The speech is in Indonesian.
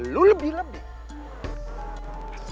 lu lebih lebih